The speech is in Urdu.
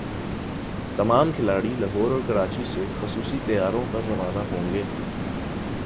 تمام کھلاڑی لاہور اور کراچی سے خصوصی طیاروں پر روانہ ہوں گے